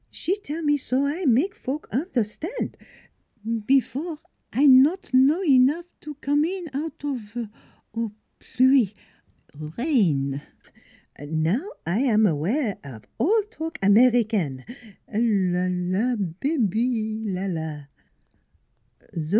" She tell me so I mak' folks un'erstan'. Before I know 'nough not to come in out of pluie r rain. Now I am aware of all talk Americaine. ... La la, bcbc! la la!"